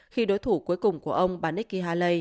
khi đối thủ cuối cùng của ông bà nikki haley